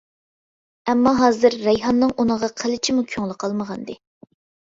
ئەمما ھازىر رەيھاننىڭ ئۇنىڭغا قىلچىمۇ كۆڭلى قالمىغانىدى.